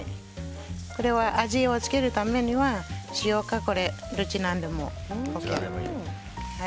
これは味をつけるためには塩か、どちらでもＯＫ。